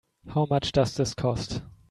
How much does this cost?